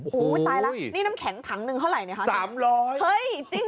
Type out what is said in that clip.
โอ้โหตายแล้วนี่น้ำแข็งถังหนึ่งเท่าไหร่เนี่ยคะ